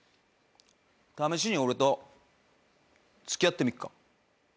試しに俺と付き合ってみっか？